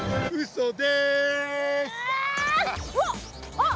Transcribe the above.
あっ！